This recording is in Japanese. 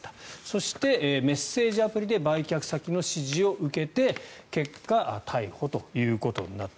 そして、メッセージアプリで売却先の指示を受けて結果、逮捕ということになった。